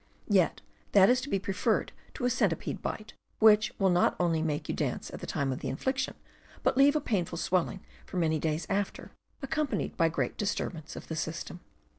Yet that is to be preferred to a centipede bite, which will not only make you dance at the time of infliction, but leave a painful swelling for many days after, accompanied by great disturbance of the system.